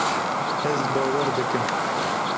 Ez bawer dikim.